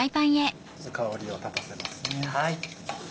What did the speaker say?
香りを立たせますね。